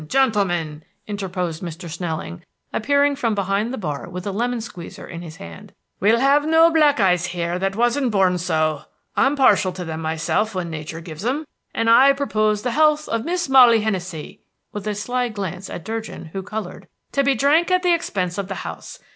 gentlemen!" interposed Mr. Snelling, appearing from behind the bar with a lemon squeezer in his hand, "we'll have no black eyes here that wasn't born so. I am partial to them myself when nature gives them; and I propose the health of Miss Molly Hennessey," with a sly glance at Durgin, who colored, "to be drank at the expense of the house.